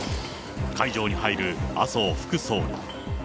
会場に入る麻生副総理。